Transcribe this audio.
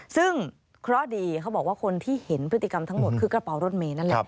ซึ่งเคราะห์ดีเขาบอกว่าคนที่เห็นพฤติกรรมทั้งหมดคือกระเป๋ารถเมย์นั่นแหละ